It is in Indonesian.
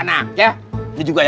wah parecer jugaorta